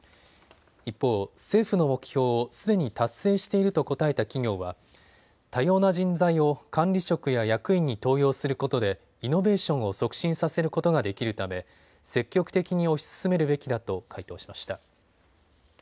一方、政府の目標をすでに達成していると答えた企業は多様な人材を管理職や役員に登用することでイノベーションを促進させることができるため積極的に推し進めるべきだと回答しました。